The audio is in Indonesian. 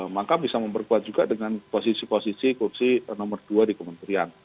maka bisa memperkuat juga dengan posisi posisi kursi nomor dua di kementerian